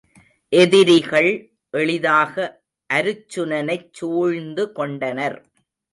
எதிரிகள் எளிதாக அருச் சுனனைச் சூழ்ந்து கொண்டனர்.